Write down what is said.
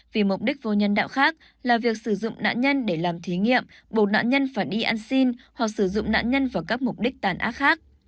vì mục đích vô nhân đạo khác là việc sử dụng nạn nhân để làm thí nghiệm bổ nạn nhân phải đi ăn xin hoặc sử dụng nạn nhân vào các mục đích tàn ác khác